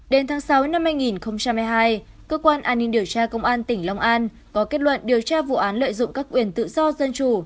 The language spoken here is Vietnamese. đến tháng sáu năm hai nghìn hai mươi hai cơ quan an ninh điều tra công an tỉnh long an có kết luận điều tra vụ án lợi dụng các quyền tự do dân chủ